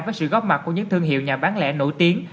với sự góp mặt của những thương hiệu nhà bán lẻ nổi tiếng